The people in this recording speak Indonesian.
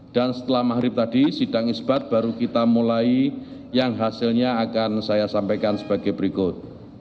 dan setelah mahrib tadi sidang itibat baru kita mulai yang hasilnya akan saya sampaikan sebagai berikut